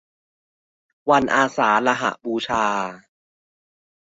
วันอาสาฬหบูชา